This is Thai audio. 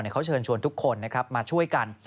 เขาเชิญชวนทุกคนมาช่วยกัน